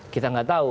kita gak tahu